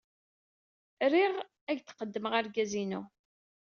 Riɣ ad ak-d-qeddmeɣ argaz-inu.